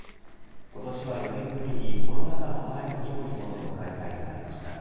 今年は４年ぶりにコロナ禍の前の規模に戻しての開催となりました。